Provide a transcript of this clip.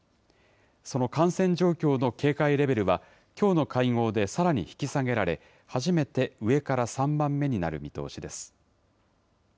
その感染状況の警戒レベルは、きょうの会合でさらに引き下げられ、初めて上から３番目になる見通しです。